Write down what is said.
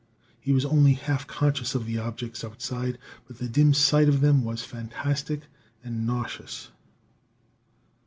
He was only half conscious of the objects outside, but the dim sight of them was fantastic and nauseous.